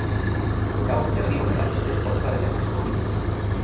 Gaur herri honek albiste pozgarriak jasoko ditu.